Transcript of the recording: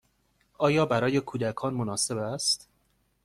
آیا برای کودکان مناسب است؟